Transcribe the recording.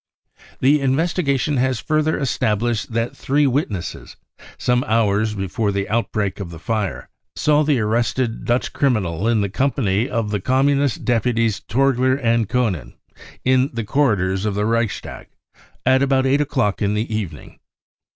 The investigation has further established that three witnesses, some hours before the outbreak of the fire, saw the arrested Dutch criminal in the company of the Communist deputies Torgler and Koenen, in the cor ridors of the Reichstag, at about 8 o'clock i x\ the even ing.